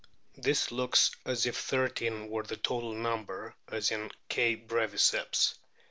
This looks as if thirteen were the total number, as in K. breviceps.